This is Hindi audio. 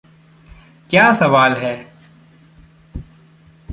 क्या सवाल है!